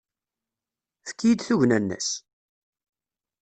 Efk-iyi-d tugna-nnes!